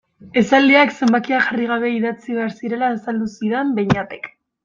Esaldiak zenbakia jarri gabe idatzi behar zirela azaldu zidan Beñatek.